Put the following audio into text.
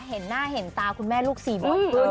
เห็นหน้าเห็นตาคุณแม่ลูกสี่บ่อยขึ้น